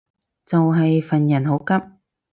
就係份人好急